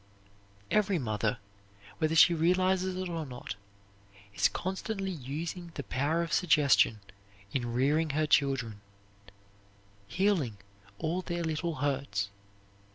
Every mother, whether she realizes it or not, is constantly using the power of suggestion in rearing her children, healing all their little hurts.